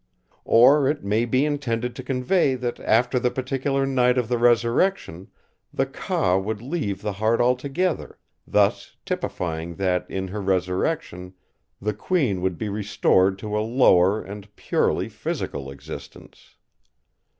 "Or it may be intended to convey that after the particular night of the resurrection, the 'Ka' would leave the heart altogether, thus typifying that in her resurrection the Queen would be restored to a lower and purely physical existence.